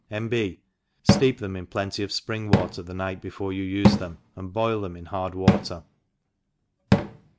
— N. ^. Steep them in plenty of fpring Witer the night before y6il ufe tnemi aUd boil them in hard watef